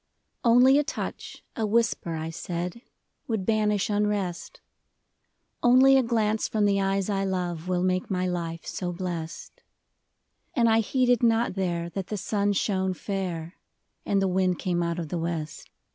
NLY a touch, a whisper, I said, would banish unrest ; Only a glance from the eyes I love Will make my life so blest. And I heeded not there that the sun shone fair. And the wind came out of the west.